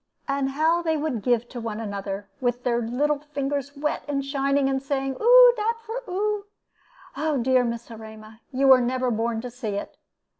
And how they would give to one another, with their fingers wet and shining, and saying, 'Oo, dat for oo.' Oh dear, Miss Erema, you were never born to see it!